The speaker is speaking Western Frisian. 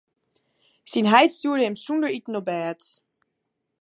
Syn heit stjoerde him sonder iten op bêd.